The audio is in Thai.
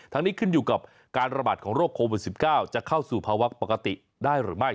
นี้ขึ้นอยู่กับการระบาดของโรคโควิด๑๙จะเข้าสู่ภาวะปกติได้หรือไม่